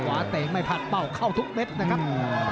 เตะไม่พัดเป้าเข้าทุกเม็ดนะครับ